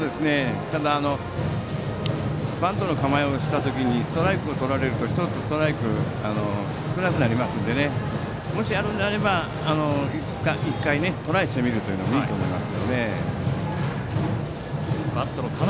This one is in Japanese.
ただ、バントの構えをした時にストライクをとられると１つストライクが少なくなりますのでもし、あるのであれば１回、トライしてみるのもいいと思います。